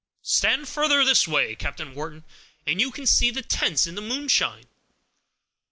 "Stand farther this way, Captain Wharton, and you can see the tents in the moonshine.